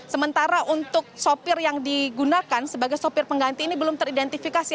sementara untuk sopir yang digunakan sebagai sopir pengganti ini belum teridentifikasi